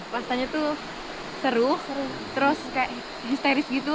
pastanya itu seru terus kayak histeris gitu